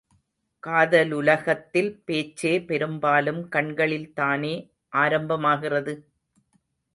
காதலுலகத்தில் பேச்சே பெரும்பாலும் கண்களில் தானே ஆரம்பமாகிறது?